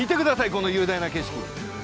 この雄大な景色。